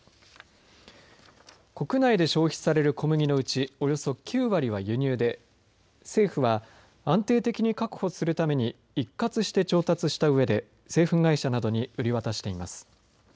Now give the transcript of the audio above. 国内で消費される小麦のうちおよそ９割は輸入で政府は安定的に確保するために一括して調達したうえで製粉会社などに売り渡しています。